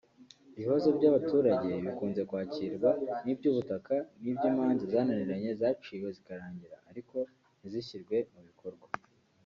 Ibibazo by’abaturage bikunze kwakirwa ni iby’ubutaka n’iby’imanza zananiranye zaciwe zikarangira ariko ntizishyirwe mu bikorwa